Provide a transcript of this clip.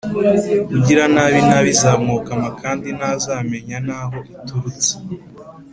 Ugira nabi, inabi izamwokama, kandi ntazamenya n’aho iturutse.